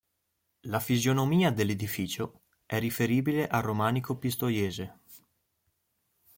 La fisionomia dell'edificio è riferibile al romanico pistoiese.